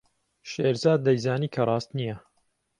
شێرزاد دەیزانی کە ڕاست نییە.